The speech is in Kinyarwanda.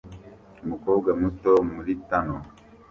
Umukobwa muto muri tunnel